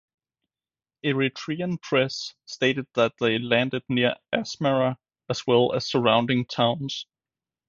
Eritrean Press stated that they landed near Asmara as well as surrounding towns.